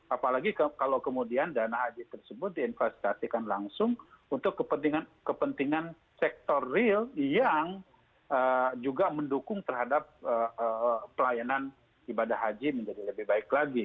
apalagi kalau kemudian dana haji tersebut diinvestasikan langsung untuk kepentingan sektor real yang juga mendukung terhadap pelayanan ibadah haji menjadi lebih baik lagi